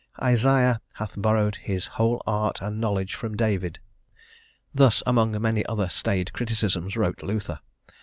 "Isaiah hath borrowed his whole art and knowledge from David." Thus, among many other staid criticisms, wrote Luther.